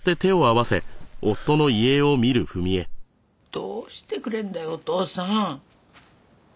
どうしてくれるんだいお父さん。